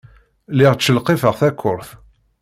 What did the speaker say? Lliɣ ttcelqifeɣ takurt.